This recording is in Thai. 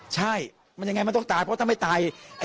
ใช่มันยังไงมันต้องตายเพราะถ้าไม่ตาย